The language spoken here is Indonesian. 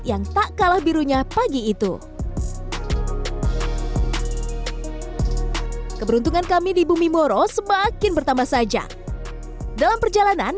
yang tak kalah birunya pagi itu keberuntungan kami di bumi moro semakin bertambah saja dalam perjalanan